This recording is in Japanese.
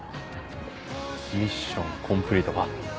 ミッションコンプリートか？